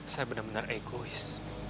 saya benar benar egois